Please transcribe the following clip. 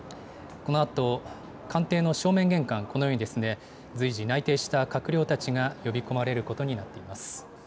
このあと、官邸の正面玄関、このように随時、内定した閣僚たちが呼びこまれることになっています。